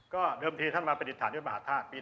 ก็เดิมทีท่านมาปฏิฐานด้วยมหาธาตุปี๒๕